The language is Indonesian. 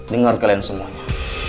dengar kalian semuanya